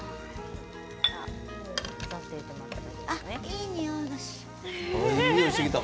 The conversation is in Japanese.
いいにおいがする。